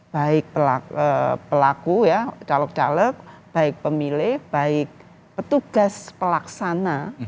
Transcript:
baik pelaku ya caleg caleg baik pemilih baik petugas pelaksana